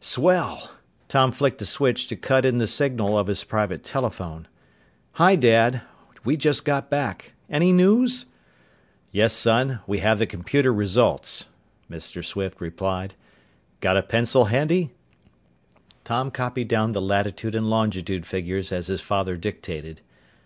"Swell!" Tom flicked a switch to cut in the signal of his private telephone. "Hi, Dad! We just got back. Any news?" "Yes, son. We have the computer results," Mr. Swift replied. "Got a pencil handy?" Tom copied down the latitude and longitude figures as his father dictated.